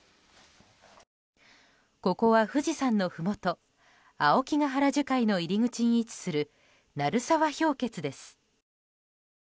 ここは、富士山のふもと青木ヶ原樹海の入り口に位置する鳴沢氷穴です。